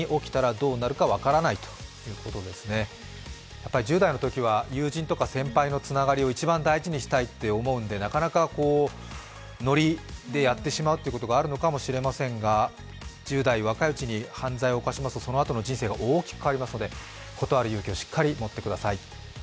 やっぱり１０代のときは友人とか先輩のつながりを一番大事にしたいと思うので、なかなかノリでやってしまうことがあるのかもしれませんが、１０代、若いうちに犯罪を犯しますとそのあとの人生が大きく変わりますので断る勇気をしっかり持ってください。